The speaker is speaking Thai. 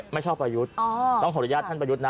ไม่ชอบประยุทธ์ต้องขออนุญาตท่านประยุทธ์นะ